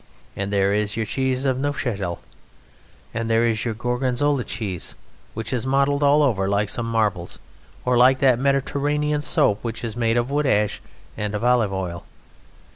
And there is your cheese of Neufchatel, and there is your Gorgonzola cheese, which is mottled all over like some marbles, or like that Mediterranean soap which is made of wood ash and of olive oil.